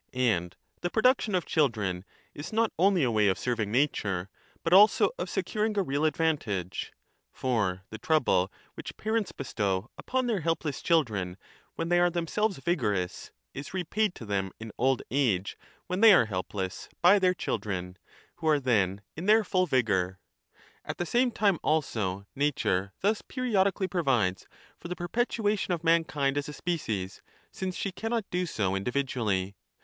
And the 1 Cp. Eth. Nic. n62 a i6ff.; Pol. 1252* 26 ff. BOOK I. 2 4 I343 1 production of children is not only a way of serving nature but also of securing a real advantage ; for the trouble which parents bestow upon their helpless children when they are themselves vigorous is repaid to them in old age when they are helpless by their children, who are then in their full vigour. At the same time also nature thus periodically provides for the perpetuation of mankind as a species, since 25 she cannot do so individually.